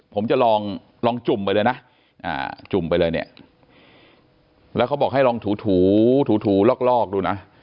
ผมจะลองจุ่มไปเลยนะจุ่มไปเลยเนี่ยแล้วเขาบอกให้ลองถูถูลอกดูนะ